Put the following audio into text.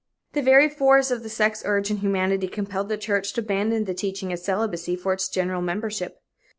The very force of the sex urge in humanity compelled the church to abandon the teaching of celibacy for its general membership.